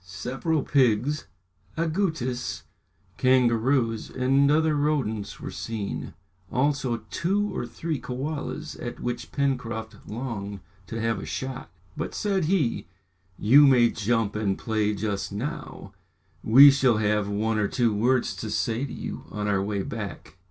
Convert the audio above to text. Several pigs, agoutis, kangaroos, and other rodents were seen, also two or three kaolas, at which Pencroft longed to have a shot. "But," said he, "you may jump and play just now; we shall have one or two words to say to you on our way back!"